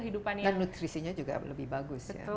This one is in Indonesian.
dan nutrisinya juga lebih bagus